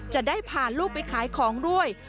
จะได้พาลูกไปขายของด้วย